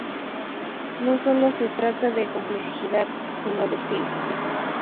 No solo se trata de complejidad, sino de estilo.